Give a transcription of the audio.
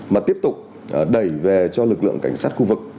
mà tiếp tục đẩy về cho lực lượng cảnh sát khu vực